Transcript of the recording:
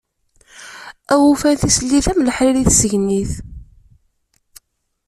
Awufan tislit am leḥrir i tsegnit!